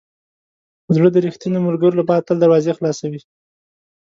زړه د ریښتینو ملګرو لپاره تل دروازې خلاصوي.